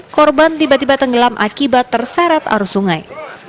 korban tiba tiba tenggelam akibat terseret arus sungai